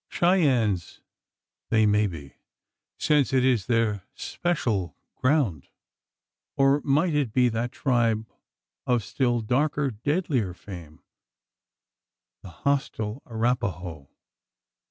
Cheyennes they may be since it is their especial ground? Or might it be that tribe of still darker, deadlier fame the hostile Arapaho?